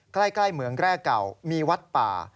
ใกล้เหมืองแร่เก่ามีวัดป่า